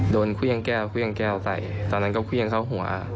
โดนเครื่องแก้วเครื่องแก้วใส่ตอนนั้นก็เครื่องเข้าหัว